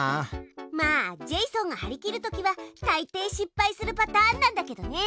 まあジェイソンが張り切るときはたいてい失敗するパターンなんだけどね。